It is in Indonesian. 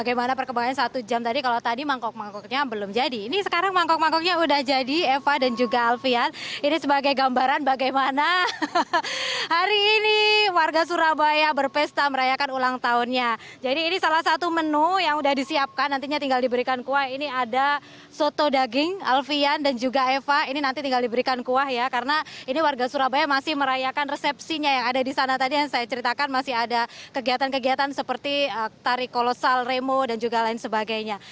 ini ada soto daging alfian dan juga eva ini nanti tinggal diberikan kuah ya karena ini warga surabaya masih merayakan resepsinya yang ada di sana tadi yang saya ceritakan masih ada kegiatan kegiatan seperti tari kolosal remo dan juga lain sebagainya